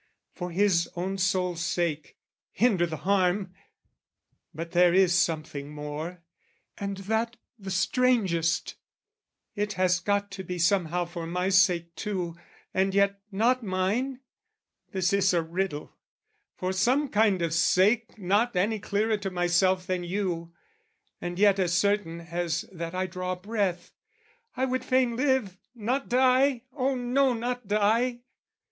For his own soul's sake, "Hinder the harm! But there is something more, "And that the strangest: it has got to be "Somehow for my sake too, and yet not mine, " This is a riddle for some kind of sake "Not any clearer to myself than you, "And yet as certain as that I draw breath, "I would fain live, not die oh no, not die!